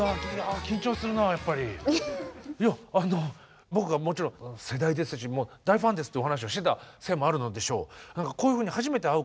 あの僕はもちろん世代ですし大ファンですってお話をしてたせいもあるのでしょう。